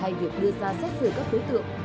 hay việc đưa ra xét xử các tối tượng